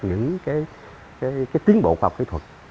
những cái tiến bộ khoa học kỹ thuật